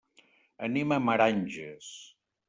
Anem a Meranges.